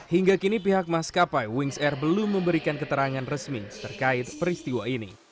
hingga kini pihak maskapai wings air belum memberikan keterangan resmi terkait peristiwa ini